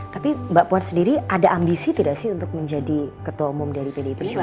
tapi mbak puan sendiri ada ambisi tidak sih untuk menjadi ketua umum dari pdi perjuangan